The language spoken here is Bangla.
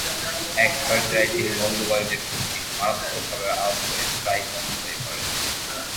এক পর্যায়ে তিনি মৌলবাদীদের কর্তৃক মারাত্মকভাবে আহত হয়ে প্রায় পঙ্গু হয়ে পড়েন।